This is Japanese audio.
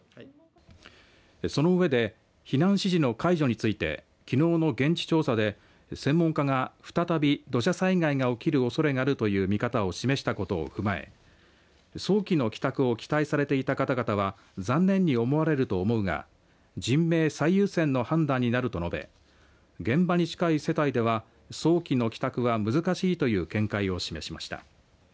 その上で避難指示の解除についてきのうの現地調査で専門家が再び土砂災害が起きるおそれがあるという見方を示したことを踏まえ早期の帰宅を期待されていたかたがたは残念に思われると思うが人命最優先の判断になると述べ現場に近い世帯では早期の帰宅は難しいという見解を示しました。